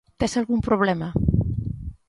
Tes algún problema?